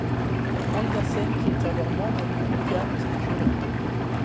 Andersen, qui est alors membre du Jpgamt jury.